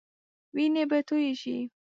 وينې به تويي شي.